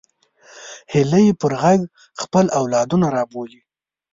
هیلۍ پر غږ خپل اولادونه رابولي